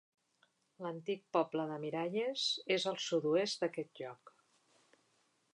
L'antic poble de Miralles és al sud-oest d'aquest lloc.